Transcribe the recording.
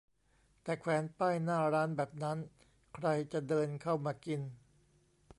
แต่แขวนป้ายหน้าร้านแบบนั้น ใครจะเดินเข้ามากิน